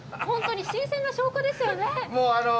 本当に新鮮な証拠ですよね。